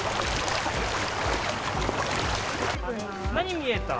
何見えた？